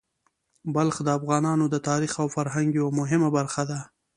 بلخ د افغانانو د تاریخ او فرهنګ یوه مهمه برخه ده.